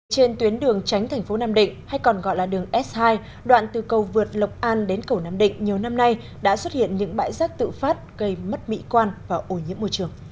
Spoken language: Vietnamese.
trên tuyến đường tránh thành phố nam định hay còn gọi là đường s hai đoạn từ cầu vượt lộc an đến cầu nam định nhiều năm nay đã xuất hiện những bãi rác tự phát gây mất mỹ quan và ổ nhiễm môi trường